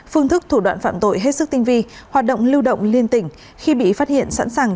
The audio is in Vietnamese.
phương thức thủ đoạn phạm tội hết sức tinh vi hoạt động lưu động liên tỉnh khi bị phát hiện sẵn sàng